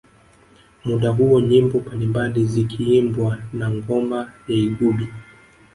Muda huo nyimbo mbalimbali zikiimbwa na ngoma ya igubi